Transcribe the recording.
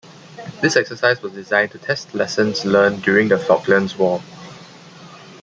This exercise was designed to test lessons learned during the Falklands War.